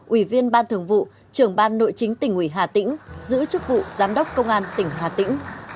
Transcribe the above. ủy viên ban thường vụ trưởng ban nội chính tỉnh ủy hà tĩnh giữ chức vụ giám đốc công an tỉnh hà tĩnh